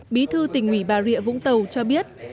bí thư tỉnh ủy bà rịa vũng tàu cho biết